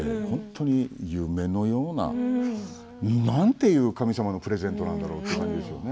本当に夢のようななんていう神様のプレゼントなんだろう